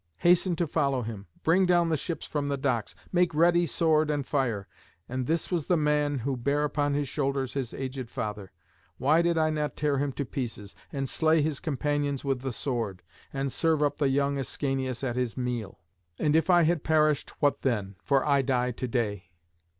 Hasten to follow him. Bring down the ships from the docks, make ready sword and fire. And this was the man who bare upon his shoulders his aged father! Why did I not tear him to pieces, and slay his companions with the sword, and serve up the young Ascanius at his meal? And if I had perished, what then? for I die to day.